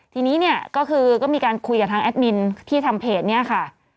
ทีนี้เนี่ยก็คือก็มีการคุยกับทางแอดมินที่ทำเพจเนี่ยค่ะ